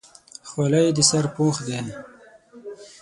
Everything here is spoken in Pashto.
خولۍ د سر پوښ دی.